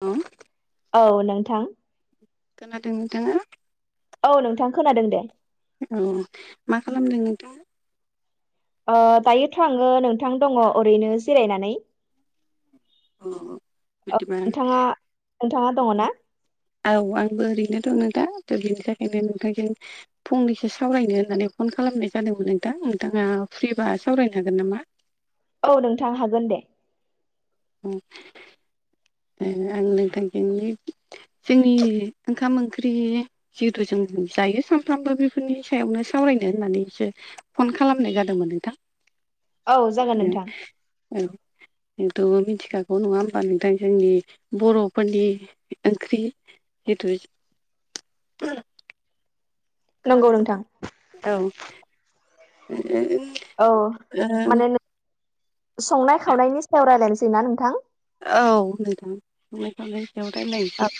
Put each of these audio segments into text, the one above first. औ औ नोंथां खोनादों नोंथाङा? औ नोंथां खोनादों दे। औ माखालामदों नोंथां? ओ दायोथाङो नोंथां दङ ओरैनो जिरायनानै। औ औ बिदिबा नोंथाङा नोंथाङा दङ ना? औ आंबो ओरैनो दङ दा थ' बिनि थाखायनो नोंथांजों फंनैसो सावरायनो होननानै फन खालामनाय जादोंमोन नोंथां नोंथाङा फ्रिबा सावरायनो हागोन नामा? औ नोंथां हागोन दे। उम ओं आं नोंथांजों जोंनि ओंखाम ओंख्रि जिहेथु जों जायो सानफ्रामबो बिफोरनि सायावनो सावरायनो होननानैसो फन खालामनाय जादोंमोन नोंथां। औ जागोन ओ नोंथां औ नोंथ'बो मिथिखागौ नङा होमबा नोंथां? जोंनि बर'फोरनि ओंख्रि जिथु नंगौ नोंथां खोनादों नोंथां? औ। औ माने नो संनाय खावनायनि सायाव रायलायनोसै ना नोंथां? औ नोंथां संनाय खावनायनि सायाव रायलायनोसै। औ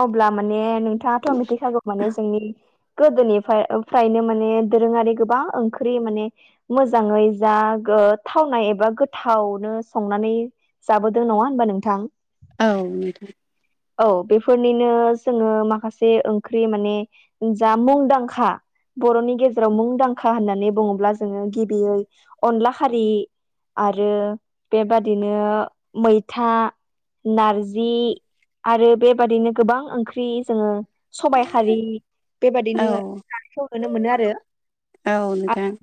अब्ला माने नोंथांङा मिथिखागौ माने जोंनि गोदोनिफाय फ्रायनो माने दोरोंङारि गोबां ओंख्रि माने ‌ मोजांङै जा गोथावनाय एबा गोथावनो संनानै जाबोदों नंङा होमबा नोंथां? औ नोंथां। औ बेफोरनिनो जोङो माखासे ओंख्रि माने जा मुंदांखा बर'नि गेजेराव मुंदांखा होननानै बुङोब्ला जोङो गिबियै अनलाखारि आरो बेबादिनो मैथा नारजि आरो बेबादिनो गोबां ओंख्रि जोङो सबाइ हारि बेबादिनो जानायखौ नुनो मोनो आरो। औ नोंथां।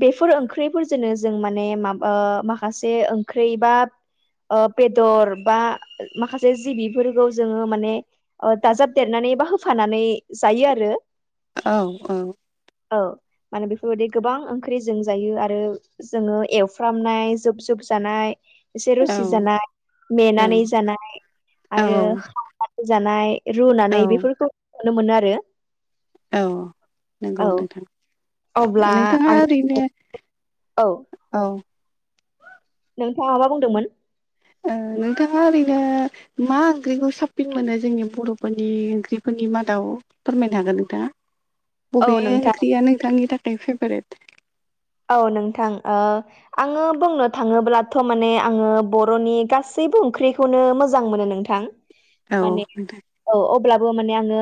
बेफोर ओंख्रिफोरजोंनो जों माने माबा ओ माखासे ओं ख्रि बा बेदर बा माखासे जि बिफोरखौ जोंङो माने दाजाबदेरनानै बा होफानानै जायो आरो। औ औ औ माने बेफोरबायदि गोबां ओंख्रि जों जायो आरो जोंङो एवफ्रामनाय जुब जुब जानाय एसे औ रुसि जानाय नेेनानै जानाय औ आरो साव जानाय रुनानै औ बेफोरखौ नुनो मोनो आरो। औ नंगौ औ नोंथां अब्ला नोंथांङा आं ओरैनो औ औ नोंथांङा माबा बुंदोंमोन? ओ नोंथांङा ओरैनो मा ओंख्रिखौ साबसिन मोनो जोंनि बर'फोरनि ओंख्रिफोरनि मादाव फोरमायनो हागोन नोंथां औ बबे नोंथां ओंख्रिया नोंथांनि थाखाय फेभ्रेट औ नोंथां ओ आंङो बुंनो थांङोब्लाथ' माने आंङो बर'नि गासैबो ओंख्रिखौनो मोजां मोनो नोंथां। औ माने दे औ अब्लाबो माने आंङो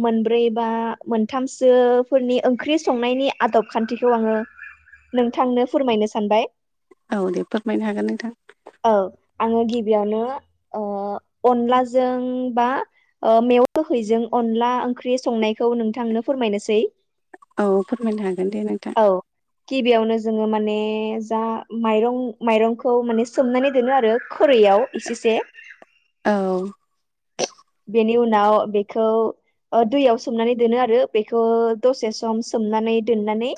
मोनब्रै बा मोनथामसोफोरनि ओंख्रि संनायनि आदब खान्थिखौ आंङो नोंथांनो फोरमायनो सानबाय औ दे फोरमायनो हागोन नोंथां। औ आंङो गिबियावनो ओ अनलाजों बा मेवा गोहैजों अनला ओंख्रि संनायखौ नोंथांनो फोरमायनोसै। औ फोरमायनो हागोन दे नोंथां। औ गिबियावनो जोंङो माने जा माइरं माइरंखौ माने सोमनानै दोनो आरो खुरैयाव। इसे से ‌ औ बेनि उनाव बेखौ ओ दै याव सोमनानै दोनो आरो बेखौ दसे सम सोमनानै दोननानै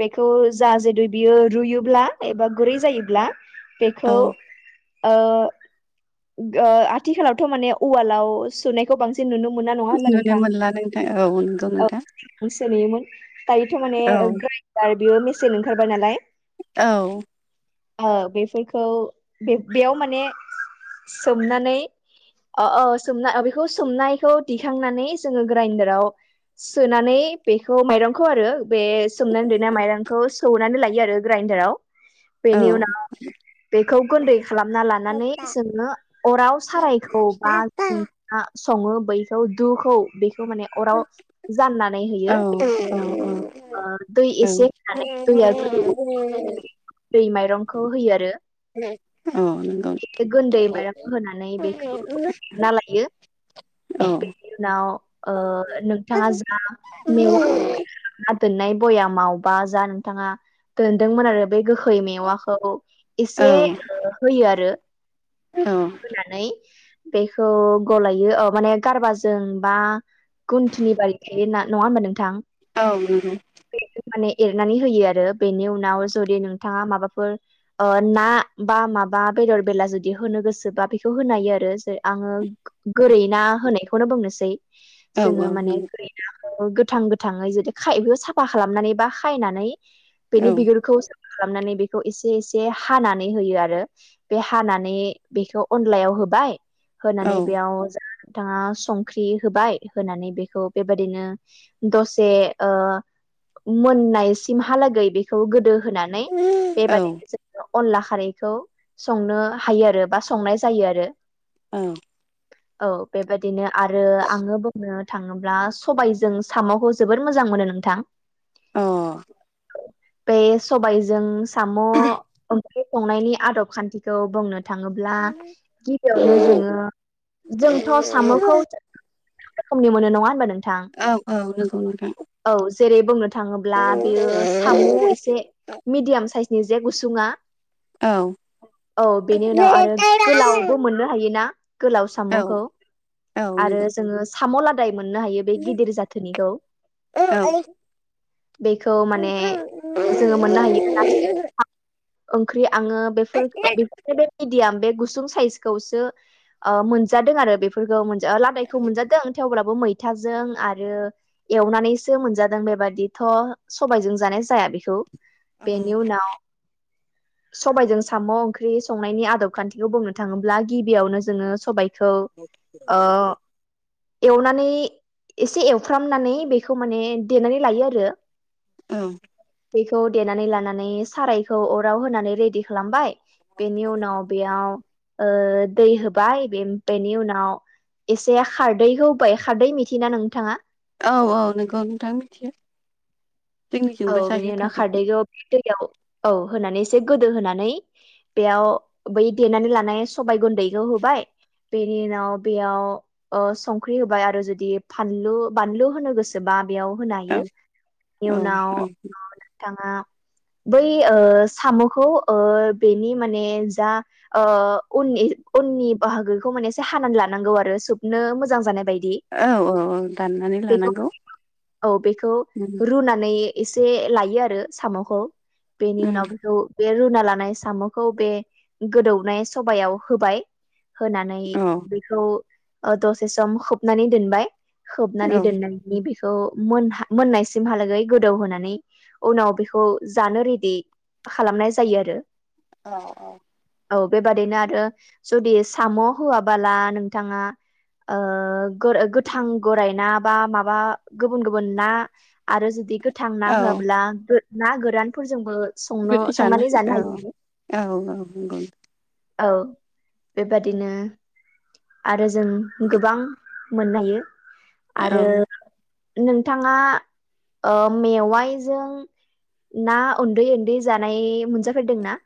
बेखौ जा जुदै बियो रुयोब्ला एबा गुरै जायोब्ला बेखौ औ ओ आथिखालावथ' माने उवालाव सुनायखौ बांसिन नुनो मोना नंङा होनबा नुनो नोंथां? मोनला नोंथां औ नंगौ नोंथां। [unintelligible] दायोथ' माने औ ग्रेनडार बियो मेसेन ओंखारबाय नालाय औ बेफोरखौ बेयाव माने सोमनानै अ अ सोमनाय अ बेखौ सोमनायखौ दिखांनानै जोंङो ग्राइडाराव। सोनानै बेखौ माइरंखौ आरो बे सोमनानै दोननाय माइरंखौ सौनानै लायो आरो ग्राइडाराव औ बेनि उनाव बेखौ गुन्दै खालामना लानानै जोङो अराव सारायखौ बा सङो बैखौ दुखौ बेखौ माने अराव जाननानै होयो। औ दै एसे होनानै दैया गोदो दै माइरंखौ होयो आरो औ नंगौ औ नंगौ औ नंगौ [unintelligible] गुन्दै माइरखौ होनानै बेखौ ना लायो औ बेनि उनाव ओ नोंथांङा जा मेवा [unintelligible] दोननाय बयामावबा जा नोंथांङा दोनदोंमोन आरो बे गोखै मेवाखौ एसे होयो आरो। औ होनानै बेखौ गलायो औ माने गारबाजों बा गुनथुनिफाय थायो ना नङा होनोमबा नोंथां? औ नंगौ। [unintelligible] बे माने एरनानै होयो आरो बेनि उनाव जुदि नोंथाङा माबाफोर, ओ ना बा माबा बेदर-बेला जुदि होनो गोसोबा बेखौ होनो हायो आरो। आङो, गोरै ना होनायखौनो बुंनोसै जोङो माने, [unintelligible] गोथां-गोथाङै जुदि खाय बेखौ साफा खालामनानै बा सायनानै, बेनि बिगुरखौ साफा खालामनानै बेखौ एसे-एसे हानानै होयो आरो। बे हानानै बेखौ अनलायाव होबाय, होनानै बेयाव, थाङा संख्रि होबाय होनानै बेखौ बेबायदिनो, दसे ओ, मोननाय सिमहालागै बे -खौ गोदौ होनानै बेबादिनो जों अनला खारैखौ संनो हायो, आरो बा संनाय जायो आरो। ओम, औ बेबायदिनो आरो आङो बुंनो? थाङोब्ला सबायजों साम'खौ जोबोद मोजां मोनो नोंथां। अ बे, सबायजों साम' ओंख्रि संनायनि आदब-खान्थिखौ बुंनो थाङोब्ला? बेयावनो जोङो। जोंथ' साम'खौ [unintelligible] रोखोमनि मोनो नङा होनबा नों- थां। औ औ नंगौ नोंथां औ जेरै- बुंनो थाङोब्ला बेयो साम' एसे मिडियाम साइसनि जे गुसुङा। औ औ बेनि उनाव आरो गोलाव, मोनो हायोना, गोलाव साम'खौ औ आरो नंगौ जोङो साम' लादाइ मोनो हायो। बे गिदिर जाथोनिखौ। औ औ बेखौ माने औ जोङो मोननो हायो [unintelligible] ओंख्रि आङो बेफोर-बेफोर बे मिडियाम बे गुसुं साइज -खौसो ओ मोनजादों आरो बेफोरखौ मोन लादायखौ मोनजादों थेवब्लाबो मै- फिथाजों आरो एवनानैसो मोनजादों बेबादिथ' सबायजों जानाय जाया बेखौ, बेनि उनाव सबायजों साम' ओंख्रि संनायनि आदब खान्थिखौ बुंनो थाङ- थाङोब्ला गिबियावनो जोङो सबायखौ ओ, एवनानै एसे एवफ्रामनानै बेखौ माने देनानै लायो आरो। ओम बेखौ देनानै लानानै सारायखौ अराव होनानै रेडि खालामबाय, बेनि उनाव बेयाव, ओ दै होबाय, बेनि उनाव एसे खारदै होबाय, खारदै मिथिना नोंथाङा? औ-औ नोंगौ नोंथां मिथियो। औ जोंनिजोंबो बिनि जायो उनाव खारदैखौ बे दैयाव, औ होनानै एसे गोदो होनानै, बेयाव बै देनानै लानाय सबायाइ गुन्दैखौ होबाय। बेनि उनाव बेयाव ओ संख्रि होबाय आरो जुदि फानलु बानलु होनो गोसो बा बेयाव होनो औ हायो, औ बेनि उनाव औ नोंथाङा बै ओ, साम'खौ ओ बेनि माने जा ओ उननि-उननि बाहागोखौ माने एसे हानानै लानांगौ आरो सोबनो मोजां जानाय बायदि। औ-औ-औ दाननानै बेखौ लानांगौ। -नै एसे लायो आरो साम'खौ बेनि उम उनाव बेखौ, बे रुना लानाय साम'खौ बे गोदौनाय सबायाव होबाय। होनानै औ बेखौ दसे सम खोबनानै दोनबाय। औ होबनानै दोननायनि बेखौ मोनहा मोननायसिमहालागै गोदौहोनानै उनाव बेखौ जानो रेडि खालामनाय जायो आरो। औ औ। औ बेबादिनो आरो जुदि साम' होआबोला नोंथाङा ओ गोथां गरायाइ ना बा माबा गुबुन गुबुन ना आरो जुदि गोथां ना औ होआब्ला गो ना गोरानफोरजोंबो संनो बिदि संनानै औ जानो हायो। औ नंगौ औ बेबादिनो आरो जों गोबां मोननो हायो। औ आरो नोंथाङा ओ मेवाइजों ना उन्दै उन्दै जानाय मोनजाफेरदोंना?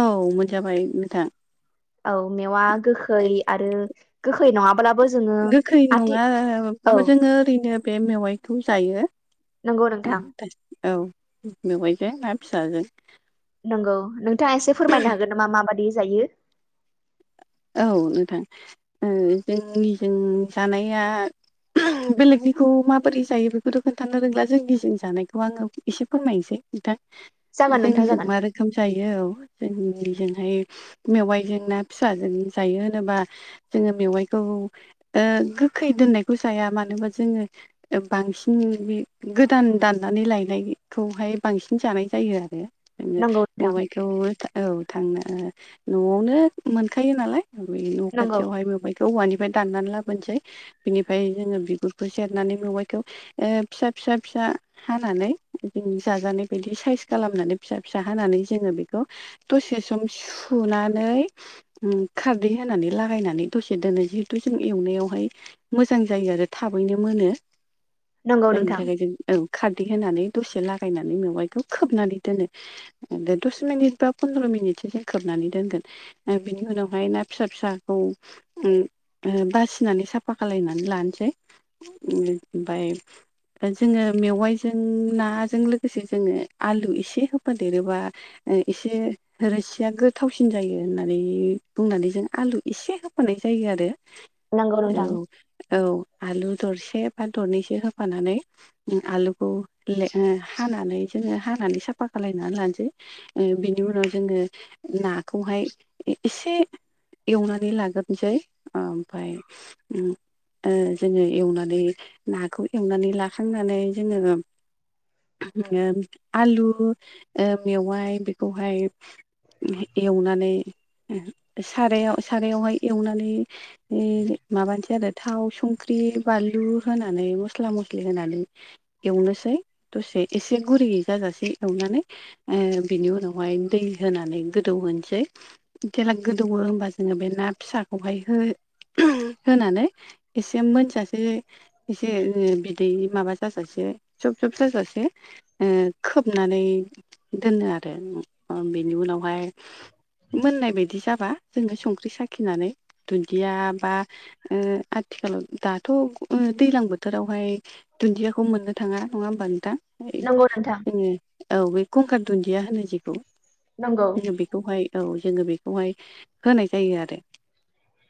औ मोनजाबाय मोथां। औ मेवा गोखै आरो गोखै नङाब ब्लाबो जोंङो गोखै नङाबाबो जोङो ओरैनो बे मेवाइखौ जायो। नंगौ नोंथां। औ मेवाइजों ना फिसाजों नंगौ नोंथाङा एसे फोरमायनो हागोन नामा माबायदि जायो? औ नोंथां ओ जोंनिजों जानाया बेलेगनिखौ माबोरै जायो बेखौथ' खोनन्थानो रोंला जोंनि जों जानायखौ आंङो एसे फोरमायनोसै नोंथां। जागोन नोंथां जोंनिजों जागोन मा आरो ओंखाम जायो औ जोंनिजोंहाय मेवाइजों ना फिसाजों जायो होनोबा जोङो मेवाइखौ ओ गोखै दोननायखौ जाया मानो होनबा जोङो बांसिन बे गोदान दाननानै लायनायखौहाय बांसिन जानाय जायो आरो। जोङो नंगौ नोंथां मेवाइखौ औ थांनो न'आवनो मोनखायो नालाय। ओमफ्राय न' नंगौ खाथियावहाय मेवाइखौ औवानिफ्राय दाननानै लाबोनोसै बिनिफ्राय जोङो बिगुरखौ सेरनानै मेवाइखौ फिसा फिसा फिसा हानानै जाजानाय बायदि साइस खालामनानै फिसा फिसा हानानै जोङो बेखौ दसे सम सुनानै खारदै होनानै लागायनानै दसे दोनो जिहेथु जों एवनायावहाय मोजां जायो आरो थाबैनो मोनो नंगौ जायनि नोंथां थाखाय जों औ खारदै होनानै दसे लागायनानै मेवाइखौ खोबनानै दोनो। द दस मिनिट बा पन्द्र मिनिटसो जों खोबनानै दोनगोन बिनि उनाव ओमफ्राय ना फिसा फिसाखौ बासिनानै साफा खालायनानै लानोसै बाय जोङो मेवाइजों नाजों लोगोसे जोङो आलु एसे होफादेरोब्ला एसे रोसिया गोथावसिन जायो होननानै बुंनानै जों आलु एसे होफानाय जायो आरो नंगौ नोंथां औ। औ आलु दरसे बा दरनैसो होफानानै आलुखौ ले हानानै जोङो हानानै साफा खालायनानै लानोसै। बिनि उनाव जोङो नाखौहाय एसे एवनानै लाग्रोनोसै ओ ओमफाय ओम ओ जोङो एवनानै नाखौ एवनानै लाखांनानै जोङो आलु मेवाय बेखौहाय एवनानै सारायाव सारायावहाय एवनानै बे माबानोसै आरो थाव संख्रि बानलु होनानै मस्ला मस्लि होनानै एवनोसै दसे एसे गुरै जाजासे एवनानै बिनि उनावहाय दै होनानै गोदौ होनोसै जेला गोदौवो होमबा जोङो बे ना फिसाखौहाय हो-होनानै एसे मोनजासे एसे बिदै माबा साजासे सब सब जाजासे ओ खोबनानै दोनो आरो बेनि उनावहाय मोननाय बायदि जाबा जोङो संख्रि साखिनानै दुन्दिया बा ओ आथिखालाव दाथ' दैलां बोथोरावहाय दुन्दियाखौ मोननो थाङा नङा होमबा नोंथां? नंगौ नोंथां। जोङो औ बे कंखा दुन्दिया होनो जेखौ नंगौ जोङो बेखौहाय औ जोङो बेखौहाय होनाय जायो आरो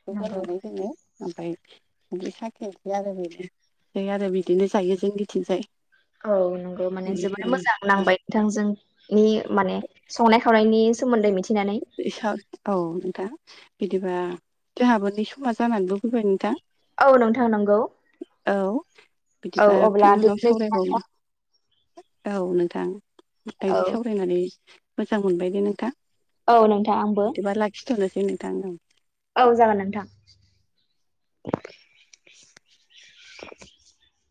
बेखौ नंगौ होनानै जोङो ओमफ्राय संख्रि साखेसै आरो बेनो आरो बिदिनो जायो जोंनिथिंजाय। औ नंगौ माने जोबोर मोजां नांबाय नोंथांजोंनि माने संनाय खावनायनि सोमोन्दै मिथिनानै। ए औ नोंथां बिदिबा जोंहाबो नै समा जानानैबो फैबाय नोंथां। औ नोंथां नंगौ औ औ बिदिबा अब्ला बिनि उनाव बिदिनो सावरायबावनो औ नोंथां औ दानि सावरायनानै मोजां मोनबाय दे नोंथां। औ नोंथां आंबो। खिथ'नोसै नोंथां औ। औ जागोन नोंथां। [inaudible]